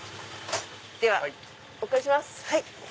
ではお借りします。